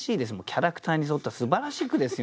キャラクターに沿ったすばらしい句ですよね。